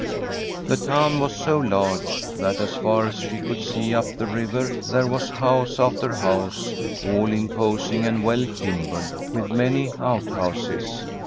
The town was so large, that as far as she could see up the river there was house after house, all imposing and well timbered, with many out houses.